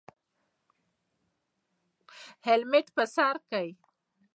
هیلمټ په سر کړئ